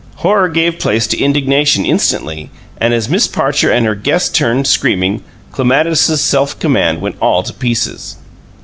Horror gave place to indignation instantly; and as Miss Parcher and her guest turned, screaming, Clematis's self command went all to pieces.